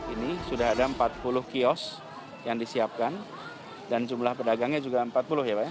ini sudah ada empat puluh kios yang disiapkan dan jumlah pedagangnya juga empat puluh ya pak ya